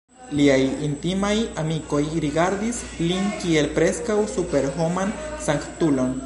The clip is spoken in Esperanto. Liaj intimaj amikoj rigardis lin kiel preskaŭ superhoman sanktulon.